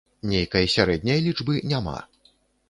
Нейкай сярэдняй лічбы няма.